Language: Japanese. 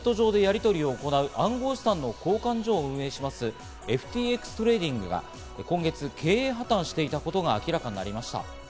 インターネット上でやりとりを行う暗号資産の交換所を運営します、ＦＴＸトレーディングが今月、経営破綻していたことが明らかになりました。